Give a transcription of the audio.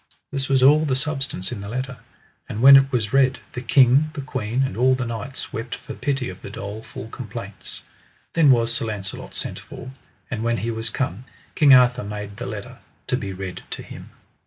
This was all the substance in the letter. And when it was read, the king, the queen, and all the knights wept for pity of the doleful complaints. Then was Sir Launcelot sent for; and when he was come King Arthur made the letter to be read to him.